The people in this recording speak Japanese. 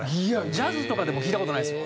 ジャズとかでも聴いた事ないですよ